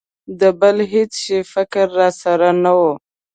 د بل هېڅ شي فکر را سره نه و.